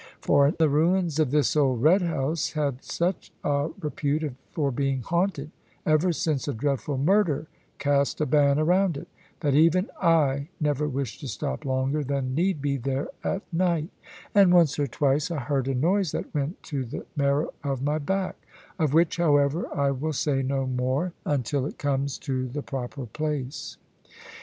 For the ruins of this old "Red house" had such a repute for being haunted, ever since a dreadful murder cast a ban around it, that even I never wished to stop longer than need be there at night; and once or twice I heard a noise that went to the marrow of my back; of which, however, I will say no more, until it comes to the proper place.